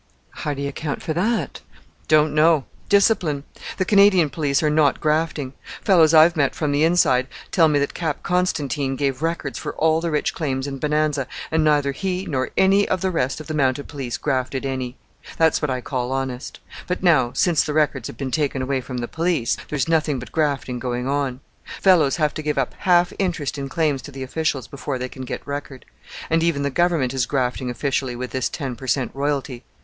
"How do you account for that?" "Don't know: discipline! The Canadian police are not grafting. Fellows I've met from the inside tell me that Cap Constantine gave records for all the rich claims in Bonanza, and neither he nor any of the rest of the Mounted Police grafted any. That's what I call honest; but now, since the records have been taken away from the police, there's nothing but grafting going on. Fellows have to give up half interest in claims to the officials before they can get record; and even the Government is grafting officially with this ten per cent. royalty.